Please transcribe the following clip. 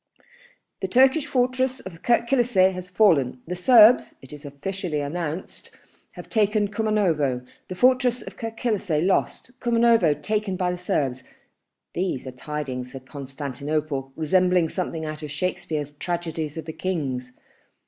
"The Turkish fortress of Kirk Kilisseh has fallen ... The Serbs, it is officially announced, have taken Kumanovo ... The fortress of Kirk Kilisseh lost, Kumanovo taken by the Serbs, these are tiding for Constantinople resembling something out of Shakspeare's tragedies of the kings